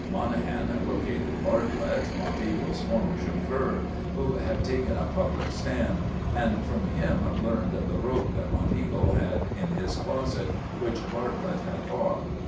Monahan located Bartlett, Monteagle's former chauffeur, who had taken a public stand, and from him learned of the rope that Monteagle had in his closet which Bartlett had bought.